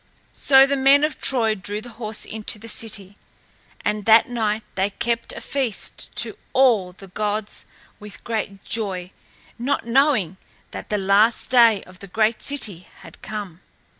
So the men of Troy drew the horse into the city. And that night they kept a feast to all the gods with great joy not knowing that the last day of the great city had come.